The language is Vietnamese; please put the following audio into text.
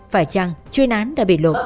phải chăng chuyên án đã bị lộn